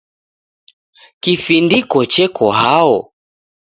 Kifindiko cheko hao?